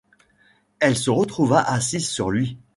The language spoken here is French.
Elle se retrouva assise sur lui.